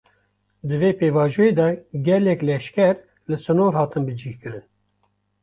Di vê pêvajoyê de gelek leşker, li sînor hatin bicih kirin